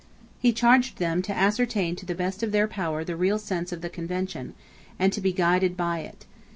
He charged them to ascertain to the best of their power the real sense of the Convention, and to be guided by it.